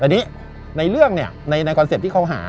อันนี้ในเรื่องเนี่ยในคอนเซ็ปต์ที่เขาหา